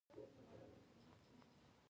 نږدې سیمو ته د بس او اورګاډي خدمات نشته